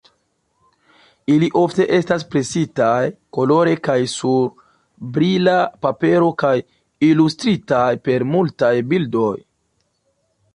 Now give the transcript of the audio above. Ili ofte estas presitaj kolore kaj sur brila papero kaj ilustritaj per multaj bildoj.